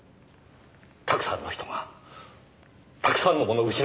たくさんの人がたくさんのものを失いました。